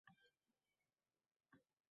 Ona-bola yolg‘iz yashay boshlaydilar.